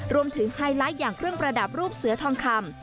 ไฮไลท์อย่างเครื่องประดับรูปเสือทองคำ